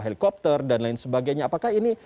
helikopter dan lain sebagainya apakah ini